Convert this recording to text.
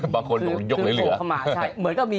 บางคนหนูยกเหลือ